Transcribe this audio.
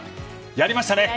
やりました！